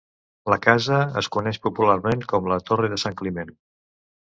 La casa es coneix popularment com La Torre de Sant Climent.